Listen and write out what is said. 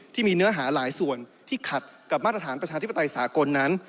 ที่มีเนื้อหาหลายส่วนที่ขัดกับมาตรฐานประชาธิปไตยสากลนั้น